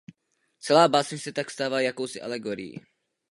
Celá báseň se tak stává jakousi alegorií.